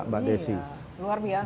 mbak desi luar biasa